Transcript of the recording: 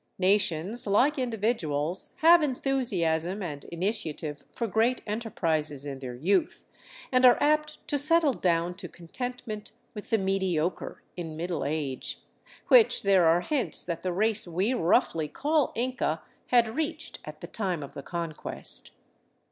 Nations, like individuals, have enthusiasm and initiative for great enterprises in their youth, and are apt to settle down to contentment with the mediocre in middle age, which there are hints that the race we roughly call Inca had reached at the time of the Conquest.